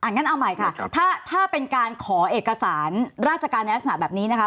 งั้นเอาใหม่ค่ะถ้าเป็นการขอเอกสารราชการในลักษณะแบบนี้นะคะ